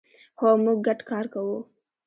هو، موږ ګډ کار کوو